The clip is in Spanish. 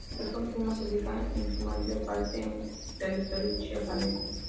Esta última se ubica, en su mayor parte, en territorio chiapaneco.